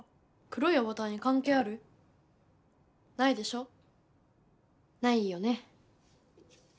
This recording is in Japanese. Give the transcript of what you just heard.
黒いアバターにかんけいある？ないでしょ？ないよね？